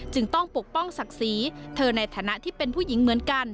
จึงต้องปกป้องศักดิ์ศรีเธอในฐานะที่เป็นผู้หญิงเหมือนกัน